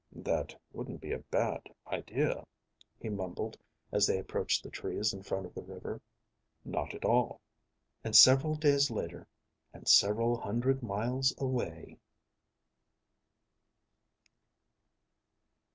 "That wouldn't be a bad idea," he mumbled as they approached the trees in front of the river. "Not at all." And several days later, and several hundred miles away